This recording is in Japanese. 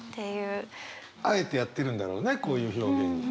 あえてやってるんだろうねこういう表現に。